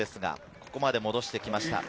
ここまで戻してきました。